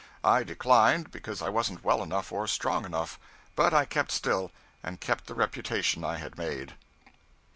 I declined, because I wasn't well enough or strong enough; but I kept still, and kept the reputation I had made.